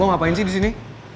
lo ngapain sih disini